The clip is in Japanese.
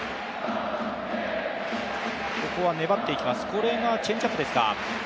これがチェンジアップですか。